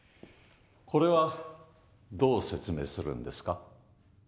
これはどう説明するんですか？